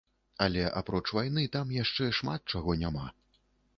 Але, апроч вайны, там яшчэ шмат чаго няма.